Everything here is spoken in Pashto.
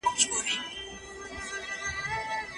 د مخطوبې د کورنۍ عادتونه باید ناڅرګند پاته نه سي.